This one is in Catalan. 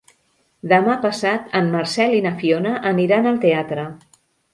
Demà passat en Marcel i na Fiona aniran al teatre.